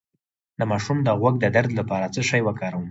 د ماشوم د غوږ د درد لپاره څه شی وکاروم؟